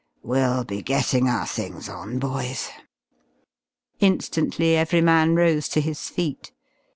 We'll be getting our things on, boys." Instantly every man rose to his feet.